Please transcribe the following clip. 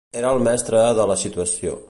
Era el mestre de la situació.